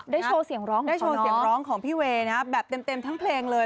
ได้โชว์เสียงร้องของพี่เวนะครับแบบเต็มทั้งเพลงเลย